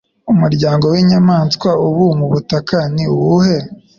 Umuryango winyamanswa ubu mubutaka ni uwuhe.